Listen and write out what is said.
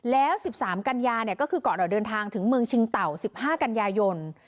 แล้ว๑๓กัญญาเนี่ยก็คือก่อนออกเดินทางถึงเมืองชิงเต่า๑๕กัญญายน